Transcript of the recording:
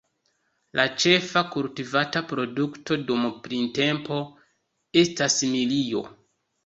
La ĉefa kultivata produkto dum printempo estas milio.